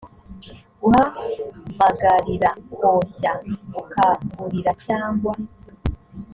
guhamagarira koshya gukangurira cyangwa